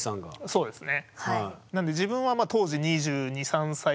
そうですね。